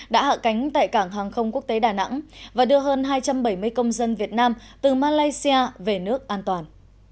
đã hạ cánh tại cảng hàng không quốc tế đà nẵng và đưa hơn hai trăm bảy mươi công dân việt nam từ malaysia về nước an toàn